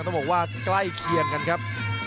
ต้องบอกว่าใกล้เคียงกันครับ